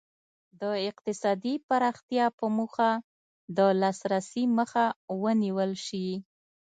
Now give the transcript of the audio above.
د اقتصادي پراختیا په موخه د لاسرسي مخه ونیول شي.